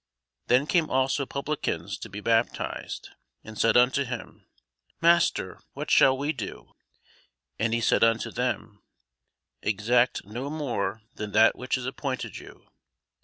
Then came also publicans to be baptized, and said unto him, Master, what shall we do? And he said unto them, Exact no more than that which is appointed you.